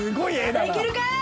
まだいけるか？